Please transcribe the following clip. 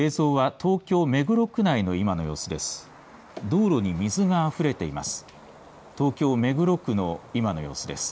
東京、目黒区の今の様子です。